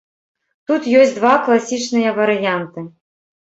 Тут ёсць два класічныя варыянты.